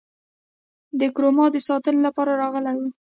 د کرمان د ساتنې لپاره راغلي وه.